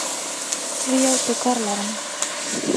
زه یو ټوکر لرم.